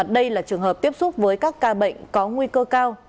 đây là trường hợp tiếp xúc với các ca bệnh có nguy cơ cao